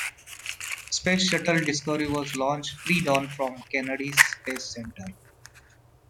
Space Shuttle Discovery was launched pre-dawn from Kennedy Space Center.